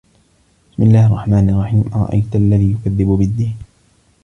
بِسمِ اللَّهِ الرَّحمنِ الرَّحيمِ أَرَأَيتَ الَّذي يُكَذِّبُ بِالدّينِ